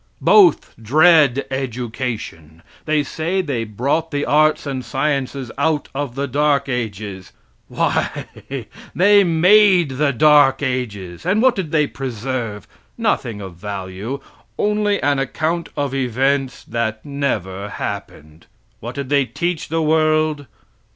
Both dread education. They say they brought the arts and sciences out of the dark ages; why, they made the dark ages and what did they preserve? Nothing of value, only an account of events that never happened. What did they teach the world!